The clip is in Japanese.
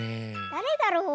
だれだろう？